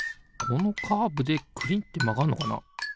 このカーブでくりんってまがんのかな？